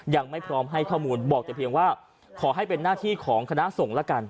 ยังไม่พร้อมให้ข้อมูลบอกแต่เพียงว่าขอให้เป็นหน้าที่ของคณะส่งละกัน